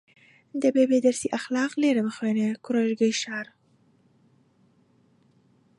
دەبێ بێ دەرسی ئەخلاق لێرە بخوێنێ کوڕیژگەی شار